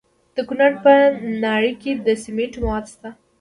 د کونړ په ناړۍ کې د سمنټو مواد شته.